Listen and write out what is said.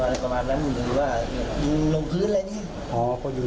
ก็ยิงกันไม่ไม่ใช่ยิงที่จะคือแบบอ่าก็ติดความคัดตัวอะไรประมาณนั้น